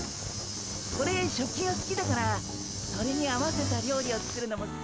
オレ食器がすきだからそれに合わせた料理を作るのもすきなんすよ。